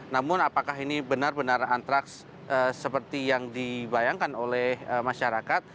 namun apakah ini benar benar antraks seperti yang dibayangkan oleh masyarakat